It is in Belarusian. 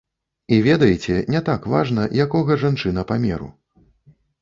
І ведаеце, не так важна, якога жанчына памеру.